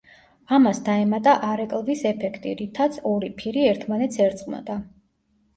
ამას დაემატა არეკლვის ეფექტი, რითაც ორი ფირი ერთმანეთს ერწყმოდა.